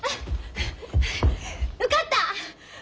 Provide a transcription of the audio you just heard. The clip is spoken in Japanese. ・受かった！